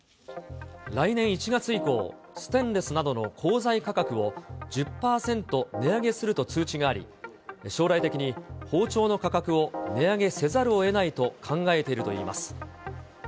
来年１月以降、ステンレスなどの鋼材価格を１０％値上げすると通知があり、将来的に包丁の価格を値上げせざるをえないと考えているといいます。